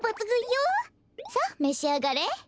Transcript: さあめしあがれ！